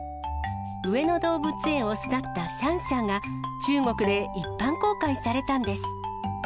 上野動物園を巣立ったシャンシャンが、中国で一般公開されたんです。